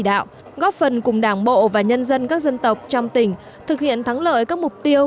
đạo góp phần cùng đảng bộ và nhân dân các dân tộc trong tỉnh thực hiện thắng lợi các mục tiêu